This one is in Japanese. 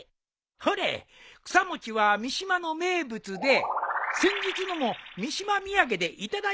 ほれ草餅は三島の名物で先日のも三島土産で頂いたものじゃよ。